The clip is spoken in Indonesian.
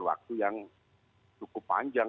waktu yang cukup panjang